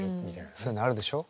そういうのあるでしょ？